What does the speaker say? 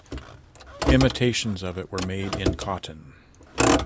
Imitations of it were made in cotton.